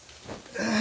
・ああ。